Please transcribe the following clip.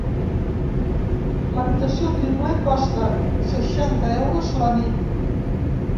L'habitació triple costa seixanta euros la nit.